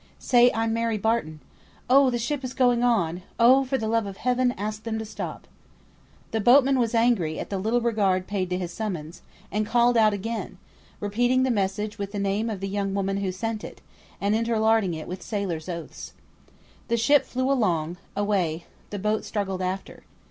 "Say I'm Mary Barton. Oh, the ship is going on! Oh, for the love of Heaven, ask them to stop." The boatman was angry at the little regard paid to his summons, and called out again; repeating the message with the name of the young woman who sent it, and interlarding it with sailors' oaths. The ship flew along away, the boat struggled after.